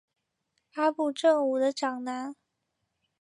阿部正武的长男。